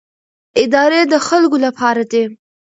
ادارې د خلکو لپاره دي